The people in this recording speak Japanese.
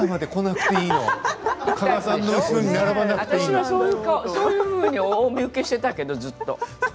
私はそういうふうにお見受けしていたけれども。